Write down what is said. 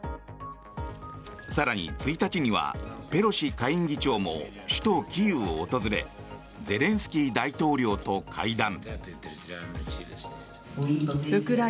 更に１日にはペロシ下院議長も首都キーウを訪れゼレンスキー大統領と会談。